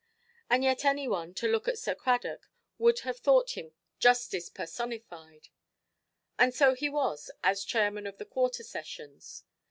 And yet any one, to look at Sir Cradock, would have thought him justice personified. And so he was, as Chairman of the Quarter Sessions.